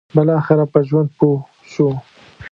بالاخره په ژوند پوه شو.